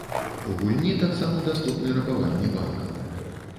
У гульні таксама даступны рабаванні банкаў.